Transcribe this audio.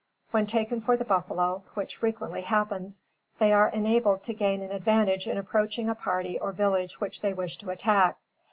When taken for the buffalo, which frequently happens, they are enabled to gain an advantage in approaching a party or village which they wish to attack.